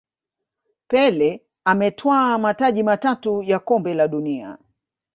pele ametwaa mataji matatu ya kombe la dunia